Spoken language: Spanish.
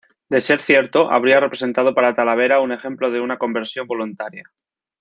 De ser cierto, habría representado para Talavera un ejemplo de una conversión voluntaria.